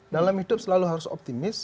dalam hidup selalu harus optimis